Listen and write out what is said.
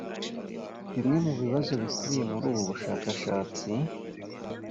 Bimwe mu bibazo bikubiye muri ubu bushakashatsi